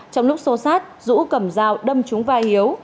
trong lúc sô sát rũ cầm dao đâm chúng vai hiếu